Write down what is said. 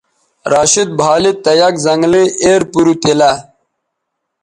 راشد بھالید تہ یک زنگلئ ایر پَرُو تیلہ